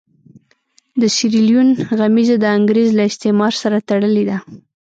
د سیریلیون غمیزه د انګرېز له استعمار سره تړلې ده.